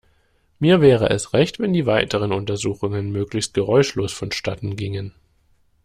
Mir wäre es recht, wenn die weiteren Untersuchungen möglichst geräuschlos vonstatten gingen.